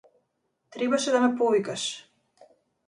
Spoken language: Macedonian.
Требаше да ме повикаш.